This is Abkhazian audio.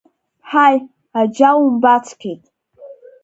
Ҳаи, аџьа умбацқьеит…